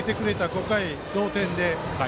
５回、同点で。